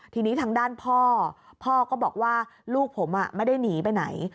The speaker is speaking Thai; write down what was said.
ทีนี้ทางด้านพ่อพ่อก็บอกว่าลูกผมไม่ได้หนีไปไหน